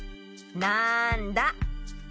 なんだ？